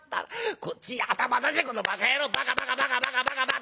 こっちへ頭出せこのバカ野郎。バカバカバカバカ」。